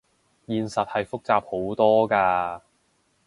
現實係複雜好多㗎